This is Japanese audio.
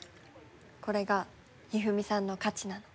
これがひふみさんの価値なの。